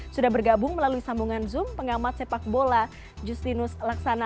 sudah bergabung melalui sambungan zoom pengamat sepak bola justinus laksana